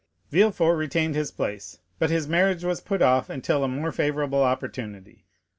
Villefort retained his place, but his marriage was put off until a more favorable opportunity.